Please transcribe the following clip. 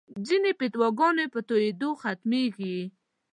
ځینې فتواګانې په تویېدو ختمېږي.